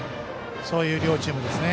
そういう両チームですね。